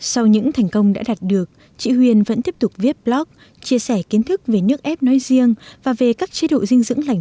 sau những thành công đã đạt được chị huyền vẫn tiếp tục viết blog chia sẻ kiến thức về nước ép nói riêng và về các chế độ dinh dưỡng lành